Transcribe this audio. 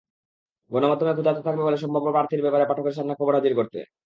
গণমাধ্যম ক্ষুধার্ত থাকবে সম্ভাব্য প্রার্থীর ব্যাপারে পাঠকের সামনে খবর হাজির করতে।